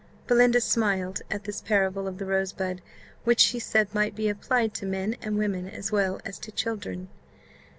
Belinda smiled at this parable of the rosebud, which, she said, might be applied to men and women, as well as to children.